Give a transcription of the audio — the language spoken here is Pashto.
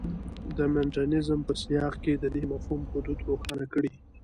د مډرنیزم په سیاق کې د دې مفهوم حدود روښانه کړي.